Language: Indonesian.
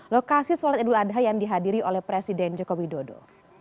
lokasi soal idul adha yang dihadiri oleh presiden jokowi dodo